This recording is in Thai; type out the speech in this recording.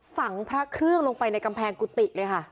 พระเครื่องลงไปในกำแพงกุฏิเลยค่ะ